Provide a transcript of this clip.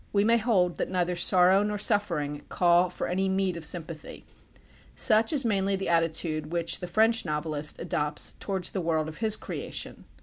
We may hold that neither sorrow nor suffering call for any meed of sympathy. Such is mainly the attitude which the French novelist adopts towards the world of his creation.